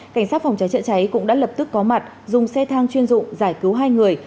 cảnh sát phòng cháy chữa cháy cũng đã lập tức có mặt dùng xe thang chuyên dụng giải cứu hai người